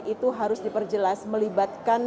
itu harus diperjelas melibatkan